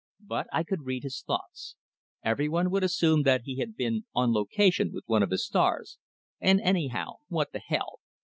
But I could read his thoughts; everybody would assume that he had been "on location" with one of his stars; and anyhow, what the hell?